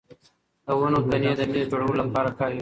د ونو تنې د مېز جوړولو لپاره کارېږي.